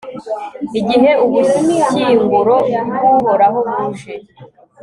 igihe ubushyinguro bw'uhoraho buje